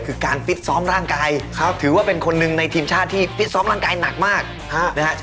คือการฟิตซ้อมร่างกายถือว่าเป็นคนหนึ่งในทีมชาติที่ฟิตซ้อมร่างกายหนักมากนะฮะ